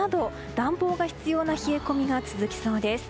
暖房が必要な冷え込みが続きそうです。